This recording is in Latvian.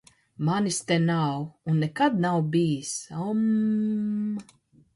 Manis te nav. Un nekad nav bijis. Oummm...